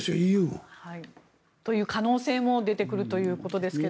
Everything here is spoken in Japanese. ＥＵも。という可能性も出てくるということですが。